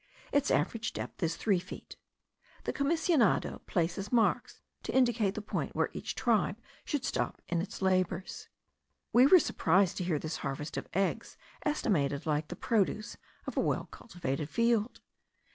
Its average depth is three feet. The commissionado places marks to indicate the point where each tribe should stop in its labours. We were surprised to hear this harvest of eggs estimated like the produce of a well cultivated field.